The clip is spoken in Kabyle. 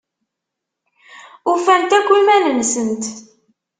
Ufant akk iman-nsent.